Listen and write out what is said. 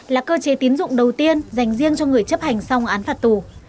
là cơ chế tín dụng đầu tiên dành riêng cho người chấp hành xong án phạt tù